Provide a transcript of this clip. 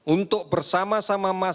untuk bersama sama masyarakat menyiapkan